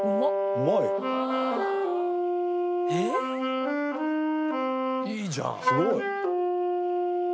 「うまい」「いいじゃん」「すごい！」